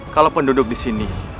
kalau penduduk disini